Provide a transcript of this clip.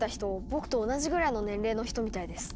僕と同じぐらいの年齢の人みたいです。